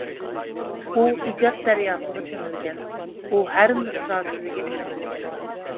ئۇ ئىجاد دەرياسىغا چۆمۈلگەن، ئۇ ھەر مىسرا تۈۋىگە كۆمۈلگەن.